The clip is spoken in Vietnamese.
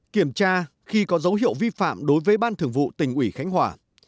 một kiểm tra khi có dấu hiệu vi phạm đối với ban thường vụ tỉnh ủy khánh hòa